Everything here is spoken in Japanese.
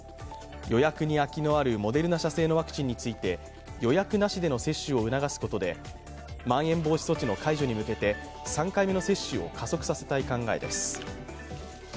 予約に空きのあるモデルナ社製のワクチンについて予約なしでの接種を促すことでまん延防止措置の解除に向けて３回目の接種を加速させたい考えです。